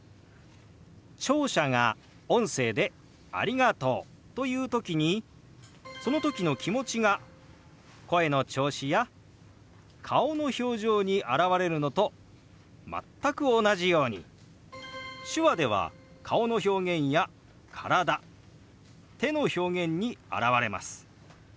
聴者が音声で「ありがとう」と言う時にその時の気持ちが声の調子や顔の表情に表れるのと全く同じように手話では顔の表現や体・手の表現に表れます。